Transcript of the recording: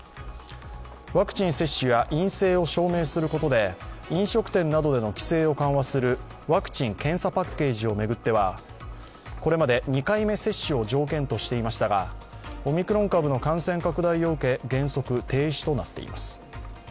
ワクチン接種や陰性を証明することで飲食店などへの規制を緩和するワクチン・検査パッケージを巡ってはこれまで２回目接種を条件としていましたが、オミクロン株の感染拡大を受け原則、停止となっています。